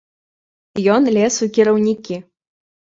Ён лез у кіраўнікі.